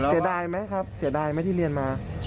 เสียดายไหมที่เรียนมา